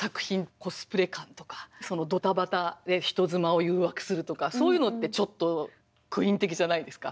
コスプレ感とかドタバタで人妻を誘惑するとかそういうのってちょっとクイーン的じゃないですか。